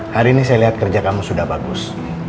hari ini saya lihat kerja kamu sudah bagus